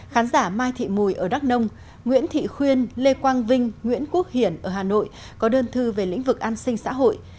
khán giả mai thị mùi ở đắk nông nguyễn thị khuyên lê quang vinh nguyễn quốc hiển ở hà nội có đơn thư về lĩnh vực an sinh xã hội